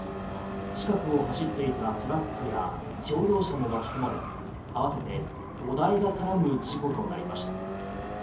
近くを走っていたトラックや乗用車も巻き込まれ合わせて５台が絡む事故となりました。